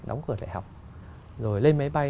đóng cửa lại học rồi lên máy bay